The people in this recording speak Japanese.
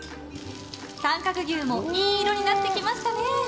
短角牛もいい色になってきましたね！